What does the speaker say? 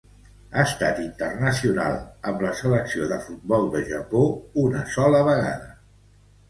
Ha estat internacional amb la selecció de futbol de Japó una sola vegada.